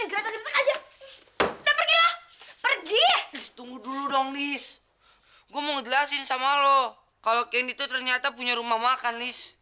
udah pergi pergi dulu dong lis gue mau jelasin sama lo kalau itu ternyata punya rumah makan